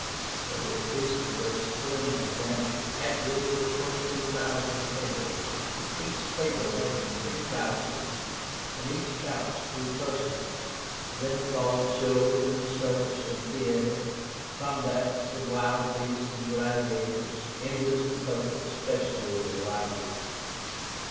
They were feasted at a splendid banquet, at which were twenty two thousand tables, each table having three couches, and each couch three persons. Then followed shows in the circus and theatre, combats of wild beasts and gladiators, in which the public especially delighted.